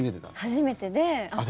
初めてで。